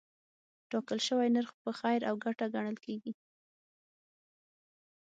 ټاکل شوی نرخ په خیر او ګټه ګڼل کېږي.